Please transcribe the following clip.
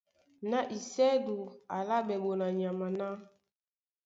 Na isɛ́du á álaɓɛ́ ɓonanyama ná: